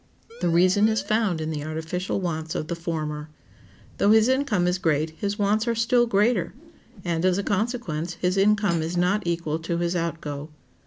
The reason is found in the artificial wants of the former. Though his income is great his wants are still greater, and, as a consequence, his income is not equal to his outgo.